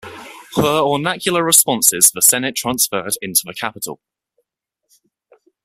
Her oracular responses the Senate transferred into the capitol.